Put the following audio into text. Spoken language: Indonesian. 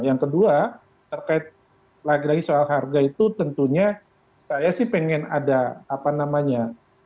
yang kedua terkait lagi lagi soal harga itu tentunya saya sih pengen ada apa namanya